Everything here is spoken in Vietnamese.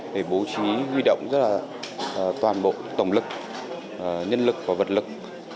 để bố trí huy động rất là toàn bộ tổng lực nhân lực và vật lực